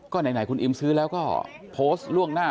ก็ไหนคุณอิมซื้อแล้วก็โพสต์ล่วงหน้า